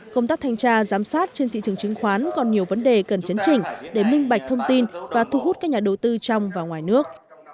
công tác thanh tra giám sát trên thị trường chứng khoán còn nhiều vấn đề cần chấn chỉnh để minh bạch thông tin và thu hút các nhà đầu tư trong và ngoài nước